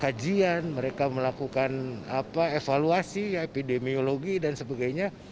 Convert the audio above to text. kajian mereka melakukan evaluasi epidemiologi dan sebagainya